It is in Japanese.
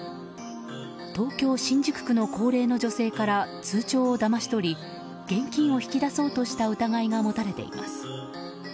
東京・新宿区の高齢の女性から通帳をだまし取り現金を引き出そうとした疑いが持たれています。